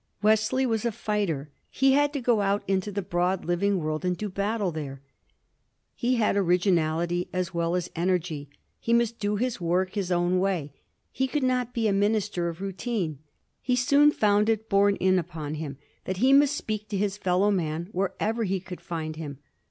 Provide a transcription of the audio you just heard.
Wesley was a fighter ; he had to go out into the broad living world and do battle there. He had orig inality as well as energy; he must do his work his own way; he could not be a minister of routine. He soon found it borne in upon him that he must speak to his fellow man wherever he could find him.